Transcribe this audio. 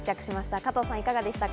加藤さん、いかがでしたか？